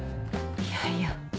いやいや。